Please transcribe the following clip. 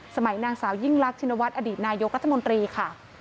สมัยนางสาวยิ่งลักษณวัฒน์อดีตนายยกรัฐมนตรีค่ะ